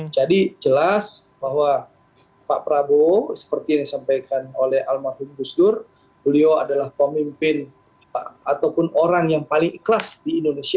jadi jelas bahwa pak prabowo seperti yang disampaikan oleh almarhum gusdur beliau adalah pemimpin ataupun orang yang paling ikhlas di indonesia